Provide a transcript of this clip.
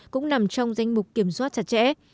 cũng nằm trong danh mục kiểm soát chặt chẽ